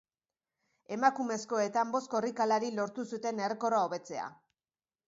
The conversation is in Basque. Emakumezkoetan bost korrikalarik lortu zuten errekorra hobetzea.